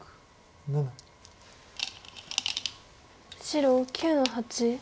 白９の八。